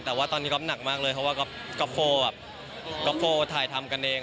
แต่ว่าตอนนี้คลอปหนักมากเลยเพราะว่าคลอปโฟร์ถ่ายทำกันเอง